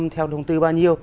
theo thông tư bao nhiêu